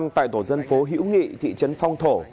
tại tổ dân phố hữu nghị thị trấn phong thổ